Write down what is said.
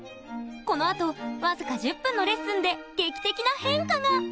このあと僅か１０分のレッスンで劇的な変化が！